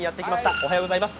おはようございます。